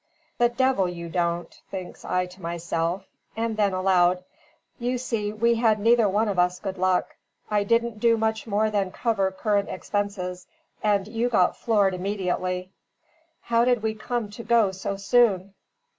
"The devil you don't!" thinks I to myself; and then aloud: "You see we had neither one of us good luck. I didn't do much more than cover current expenses; and you got floored immediately. How did we come to go so soon?"